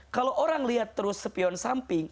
kalau orang lihat terus sepion samping